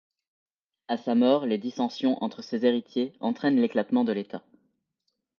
A sa mort les dissensions entre ses héritiers entrainent l'éclatement de l'état.